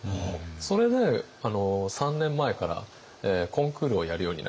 それで３年前からコンクールをやるようになりまして。